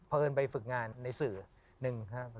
เพราะเอิญไปฝึกงานในสื่อหนึ่งครับ